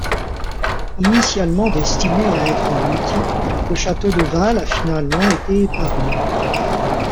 Initialement destiné à être englouti, le château de Val a finalement été épargné.